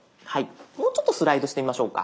もうちょっとスライドしてみましょうか。